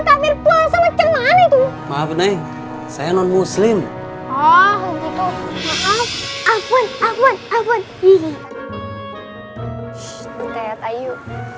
takdir puasa macam mana itu maaf saya non muslim oh gitu maaf aku aku aku aku